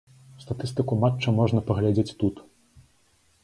Статыстыку матча можна паглядзець тут.